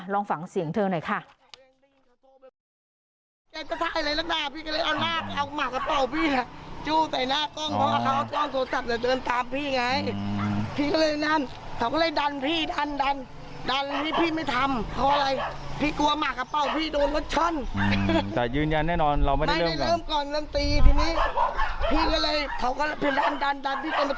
ลองฟังเสียงเธอหน่อยค่ะ